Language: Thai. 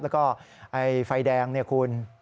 แล้วก็ไฟแดงคุณ